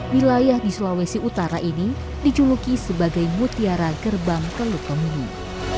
wilayah di sulawesi utara ini dijuluki sebagai mutiara gerbang kelut pemulung